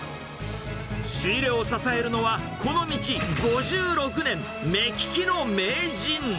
仕入れを支えるのは、この道５６年、目利きの名人。